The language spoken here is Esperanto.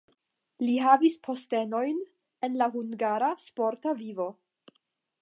Li havis postenojn en la hungara sporta vivo.